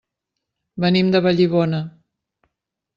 Venim de Vallibona.